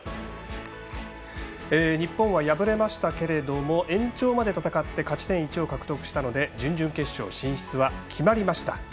日本は敗れましたけれども延長まで戦って勝ち点１を獲得したので準々決勝進出は決まりました。